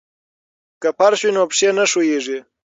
که فرش وي نو پښې نه ښویېږي.